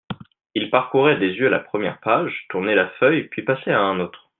Il parcourait des yeux la première page, tournait la feuille, puis passait à un autre.